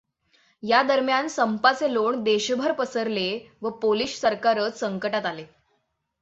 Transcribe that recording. यादरम्यान संपाचे लोण देशभर पसरले व पोलिश सरकारच संकटात आले.